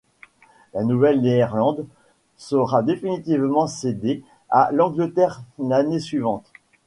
La Nouvelle-Néerlande sera définitivement cédée à l'Angleterre l'année suivante.